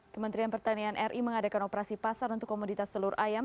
kementerian pertanian ri mengadakan operasi pasar untuk komoditas telur ayam